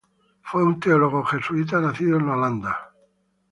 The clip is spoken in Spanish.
Fue un teólogo jesuita nacido en Holanda.